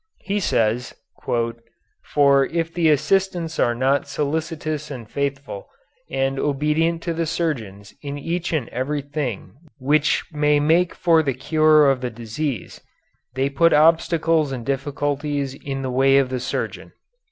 He says, "For if the assistants are not solicitous and faithful, and obedient to the surgeons in each and every thing which may make for the cure of the disease, they put obstacles and difficulties in the way of the surgeon."